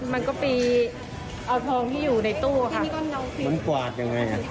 มันก็ไปเอาทองที่อยู่ในตู้มันกวาดยังไง